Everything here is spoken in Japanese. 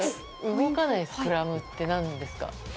動かないスクラムって何ですか。